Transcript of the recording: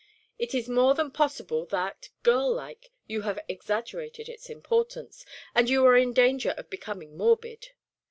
It is more than possible that, girl like, you have exaggerated its importance, and you are in danger of becoming morbid.